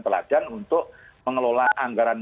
pelajaran untuk mengelola anggaran